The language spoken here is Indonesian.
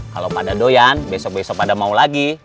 kalau pada doyan besok besok ada mau lagi